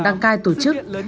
đăng cai tổ chức